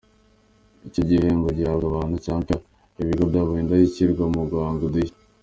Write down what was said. Icyo gihembo gihabwa abantu cyangwa ibigo byabaye indashyikirwa mu guhanga udushya.